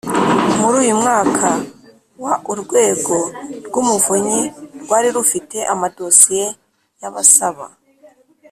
Muri uyu mwaka wa urwego rw umuvunyi rwari rufite amadosiye y abasaba